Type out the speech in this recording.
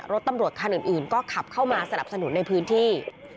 รถตำรวจคันอื่นก็ขับเข้ามาสนับสนุนในพื้นที่